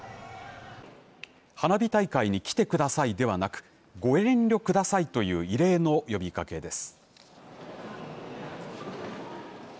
花火大会に来てくださいではなく、ご遠慮くださいという異例の呼びかけです。